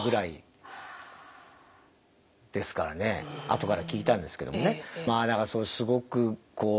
後から聞いたんですけどもね。